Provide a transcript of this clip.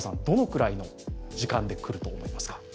どのくらいの時間で来ると思いますか？